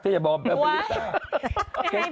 ถ้าอย่าบอกแปลว่าเป็นลิซ่า